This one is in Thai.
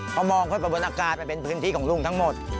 พอมองขึ้นไปบนอากาศมันเป็นพื้นที่ของลุงทั้งหมด